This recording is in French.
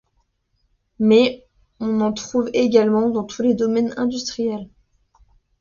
Mais on en trouve également dans tous les domaines industriels.